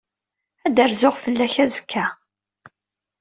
Ad d-rzuɣ fell-ak azekka.